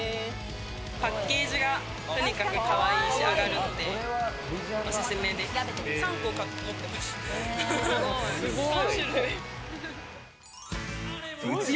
パッケージがとにかくかわいいし、あがるのでおすすめです。